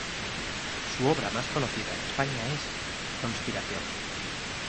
Su obra más conocida en España es "Conspiración.